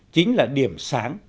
chính là điểm sáng